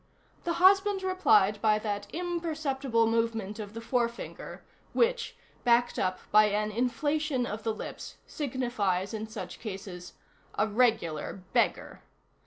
The husband replied by that imperceptible movement of the forefinger, which, backed up by an inflation of the lips, signifies in such cases: A regular beggar.